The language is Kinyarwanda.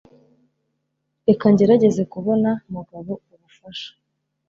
Reka ngerageze kubona mugabo ubufasha